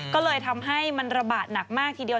ก็เลยทำให้มันระบาดหนักมากทีเดียว